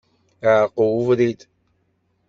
Iεreq ubrid.